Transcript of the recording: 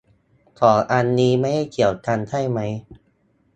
สองอันนี้ไม่ได้เกี่ยวกันใช่ไหม